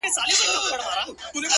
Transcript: ماته يې په نيمه شپه ژړلي دي _